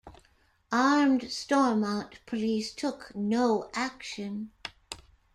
Armed Stormont police took no action.